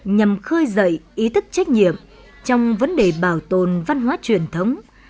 nhằm khơi dậy ý thức trách nhiệm trong vấn đề bảo tồn văn hóa truyền thống